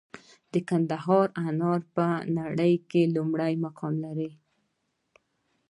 د کندهار انار په نړۍ کې لومړی مقام لري.